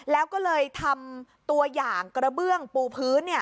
แล้วก็เลยทำตัวอย่างกระเบื้องปูพื้น